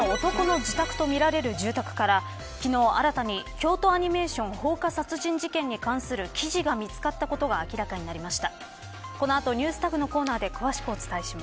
大阪、北新地の放火殺人事件で容疑者の男の自宅とみられる住宅から昨日、新たに京都アニメーション放火殺人事件に関する記事が見つかったことが明らかになりました。